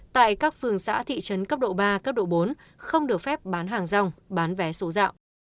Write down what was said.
tại các phường xã thị trấn cấp độ ba cấp độ bốn không được phép bán hàng rong bán vé số dạo